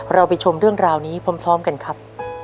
เราไปชมเรื่องราวนี้พร้อมกันครับ